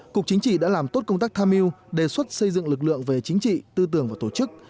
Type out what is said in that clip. cục chính trị đã làm tốt công tác tham mưu đề xuất xây dựng lực lượng về chính trị tư tưởng và tổ chức